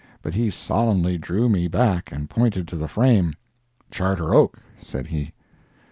But he solemnly drew me back and pointed to the frame. "Charter Oak," said he.